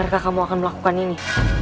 apakah kamu akan melakukan ini